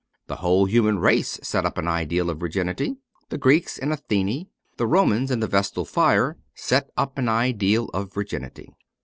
The whole human race set up an ideal of virginity ; the Greeks in Athene, the Romans in the Vestal fire, set up an ideal of virginity.